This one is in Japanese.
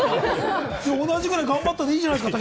同じくらい頑張ったでいいじゃないですか！